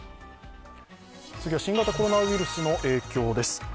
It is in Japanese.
次は新型コロナウイルスの影響です。